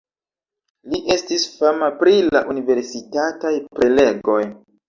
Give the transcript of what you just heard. Li estis fama pri la universitataj prelegoj.